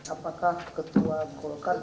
apakah ketua golkar